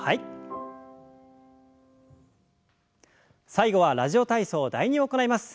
最後は「ラジオ体操第２」を行います。